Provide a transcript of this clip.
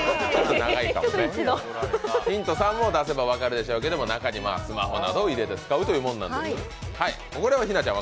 ヒント３も出せば分かるでしょうけど中にはスマホなどを入れて使うものです。